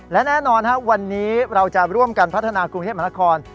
และแน่นอนวันนี้เราจะร่วมกันพัฒนากรุงเทพมหานคร